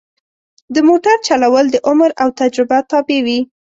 د موټر چلول د عمر او تجربه تابع وي.